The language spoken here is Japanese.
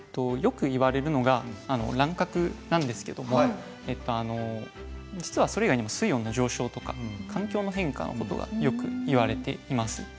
よく言われるのが乱獲なんですけども実はそれ以外にも水温の上昇とか環境の変化のことがよく言われています。